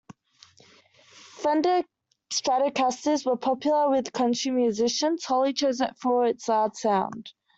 Fender Stratocasters were popular with country musicians; Holly chose it for its loud sound.